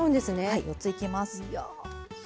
はい４ついきます。